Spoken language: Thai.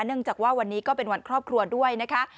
เนื่องจากว่าวันนี้ก็เป็นวันครอบครัวด้วยนะคะ